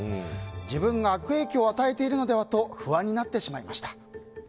自分が悪影響を与えているのではと不安になってしまいました。